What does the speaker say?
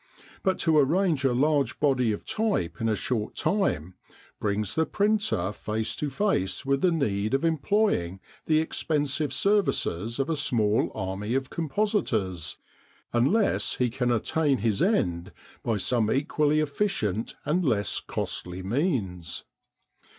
But to arrange a large body of type in a short time brings the printer face to face with the need of employing the expensive services of a small army of compositors unless he can attain his end by some equally efficient and less costly means.